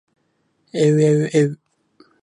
えうえうえう